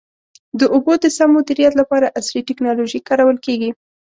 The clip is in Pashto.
د اوبو د سم مدیریت لپاره عصري ټکنالوژي کارول کېږي.